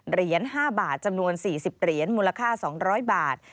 เหรียญ๕บาทจำนวน๔๐เหรียญมูลค่า๒๐๐บาท